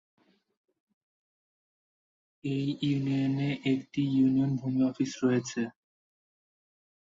এই ইউনিয়নে একটি ইউনিয়ন ভূমি অফিস রয়েছে।